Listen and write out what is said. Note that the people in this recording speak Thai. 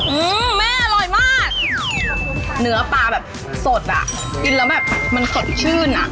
อืมแม่อร่อยมากเนื้อปลาแบบสดอ่ะกินแล้วแบบมันสดชื่นอ่ะ